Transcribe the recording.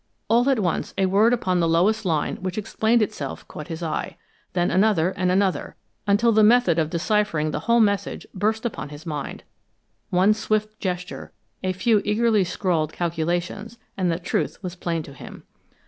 All at once, a word upon the lowest line which explained itself caught his eye; then another and another, until the method of deciphering the whole message burst upon his mind. One swift gesture, a few eagerly scrawled calculations, and the truth was plain to him.